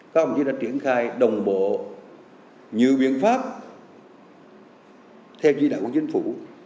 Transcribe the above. các đồng chí đã triển khai đồng bộ nhự biện pháp theo dĩ đại của chính phủ